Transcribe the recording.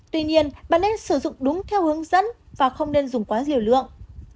tuy nhiên bạn nên sử dụng đúng theo hướng dẫn và không nên dùng quá nhiều lượng